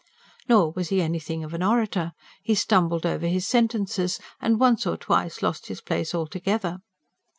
Nor was he anything of an orator: he stumbled over his sentences, and once or twice lost his place altogether.